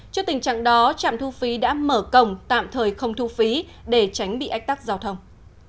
trước tình trạng đó trạm thu phí đã mở cổng tạm thời không thu phí để tránh bị ách tắc giao thông